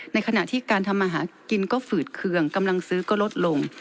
ในขณะที่การทำมาหากินก็ฝืดเคืองกำลังซื้อก็ลดลง